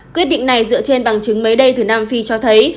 quyết định này dựa trên bằng chứng mới đây từ nam phi cho thấy